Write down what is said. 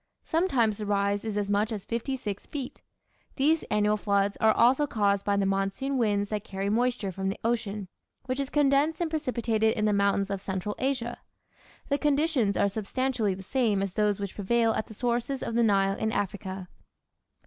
Sometimes the rise is as much as fifty six feet. These annual floods are also caused by the monsoon winds that carry moisture from the ocean, which is condensed and precipitated in the mountains of central Asia. The conditions are substantially the same as those which prevail at the sources of the Nile in Africa.